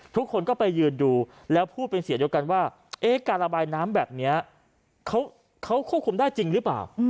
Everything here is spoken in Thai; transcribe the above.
ทุกคนก็ไปยืนดูแล้วพูดเป็นเสียงเดียวกันว่าการระบายน้ำแบบนี้เขาควบคุมได้จริงหรือเปล่า